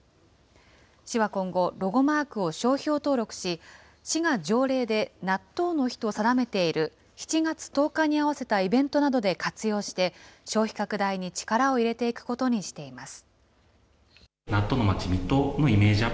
市は今後、ロゴマークを商標登録し、市が条例で納豆の日と定めている７月１０日に合わせたイベントなどで活用して、消費拡大に力を入れていくことにしています。